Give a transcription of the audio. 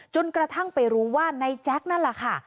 จนกระทั่งไปรู้ว่าในแจ๊คนั่นแหละค่ะ